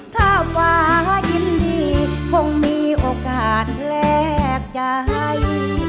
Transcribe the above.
ถ้าฟ้ายินดีคงมีโอกาสแลกใจ